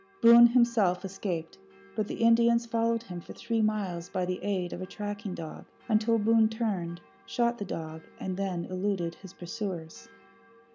Boone himself escaped, but the Indians followed him for three miles by the aid of a tracking dog, until Boone turned, shot the dog, and then eluded his pursuers.